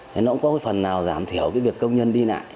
thế nó cũng có phần nào giảm thiểu cái việc công nhân đi lại